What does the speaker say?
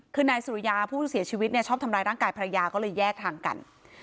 คือนายสุริยาผู้เสียชีวิตเนี่ยชอบทำร้ายร่างกายภรรยาก็เลยแยกทางกัน